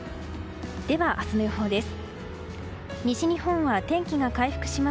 では、明日の予報です。